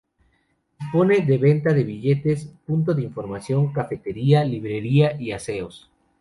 Dispone de venta de billetes, punto de información, cafetería, librería y aseos.